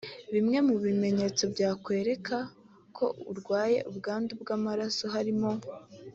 Bimwe mu bimenyetso byakwereka ko urwaye ubwandu bw’amaraso harimo